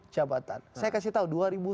jabatan saya kasih tau dua ribu sembilan